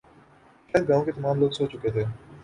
شاید گاؤں کے تمام لوگ سو چکے تھے